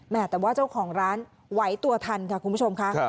แต่ว่าเจ้าของร้านไหวตัวทันค่ะคุณผู้ชมค่ะ